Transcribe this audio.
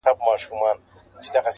دا د کهف د اصحابو د سپي خپل دی,